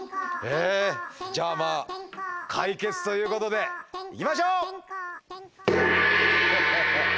ねえじゃあまあ解決ということでいきましょう！